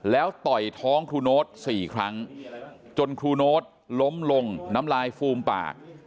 แล้วต่อยท้องครูโน๊ต๔ครั้งจนครูโน๊ตล้มลงน้ำลายฟูมปาก